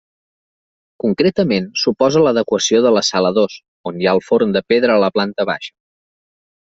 Concretament suposa l'adequació de la sala dos, on hi ha el forn de pedra a la planta baixa.